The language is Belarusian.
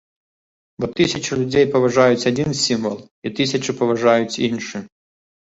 Бо тысячы людзей паважаюць адзін сімвал, і тысячы паважаюць іншы.